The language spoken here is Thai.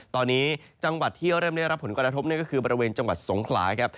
ตอนนี้จังหวัดที่เริ่มได้รับผลกระทบนี่ก็คือบริเวณจังหวัดสงขลาครับ